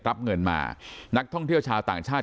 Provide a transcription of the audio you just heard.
รับเงินมานักท่องเที่ยวชาวต่างชาติ